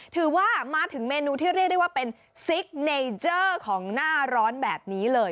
ถือว่ามาถึงเมนูที่เรียกได้ว่าเป็นซิกเนเจอร์ของหน้าร้อนแบบนี้เลย